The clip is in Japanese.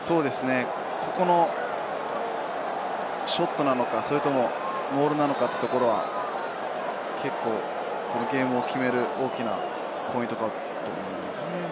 ショットなのか、モールなのかというところは結構ゲームを決める大きなポイントだと思います。